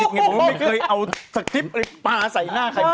อำมะหิตมันไม่เคยเอาสกฤษปลาใส่หน้าใคร